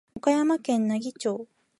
岡山県奈義町